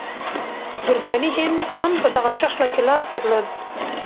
ګورګاني هند هم په دغه شخړه کې لاس درلود.